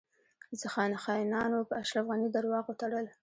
خاینانو په اشرف غنی درواغ تړل